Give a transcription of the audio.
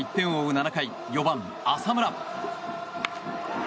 ７回４番、浅村。